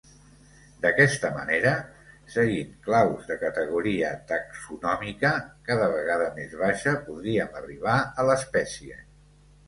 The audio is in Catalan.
D'aquesta manera, seguint claus de categoria taxonòmica cada vegada més baixa, podríem arribar a l'espècie.